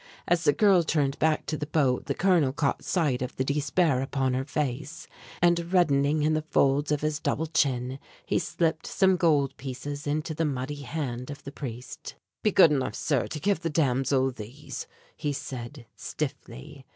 As the girl turned back to the boat the colonel caught sight of the despair upon her face; and reddening in the folds of his double chin he slipped some gold pieces into the muddy hand of the priest. "Be good enough, sir, to give the damsel these," he said, stiffly.